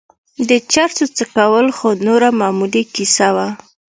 د چرسو څکول خو نوره معمولي کيسه وه.